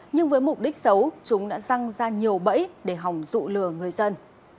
nhưng với mục đích xấu chúng đã răng ra nhiều bẫy để hỏng dụ lừa người dân